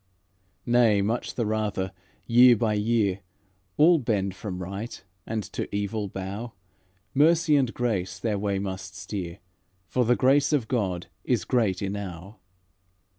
Nay much the rather, year by year, All bend from right and to evil bow; Mercy and grace their way must steer, For the grace of God is great enow."